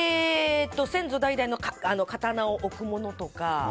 先祖代々の刀を置くものとか